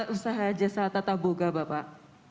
usaha jasa tata boga bapak